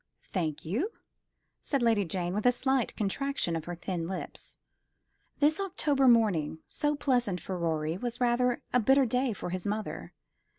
"Thank you," said Lady Jane, with a slight contraction of her thin lips. This October morning, so pleasant for Rorie, was rather a bitter day for his mother.